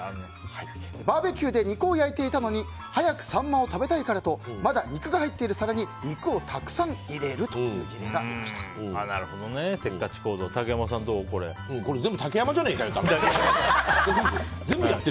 バーベキューで肉を焼いていたのに早くサンマを食べたいからとまだ肉が入っている更に肉をたくさん入れるというせっかち行動全部竹山じゃねえかよ。